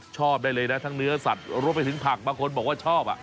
ชอบได้เลยนะทั้งเนื้อสัตว์รวมไปถึงผักบางคนบอกว่าชอบ